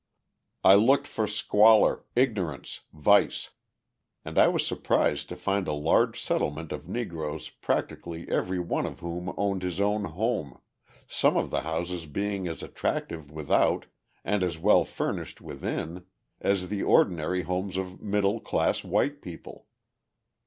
I looked for squalour, ignorance, vice. And I was surprised to find a large settlement of Negroes practically every one of whom owned his own home, some of the houses being as attractive without and as well furnished within as the ordinary homes of middle class white people.